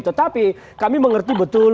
tetapi kami mengerti betul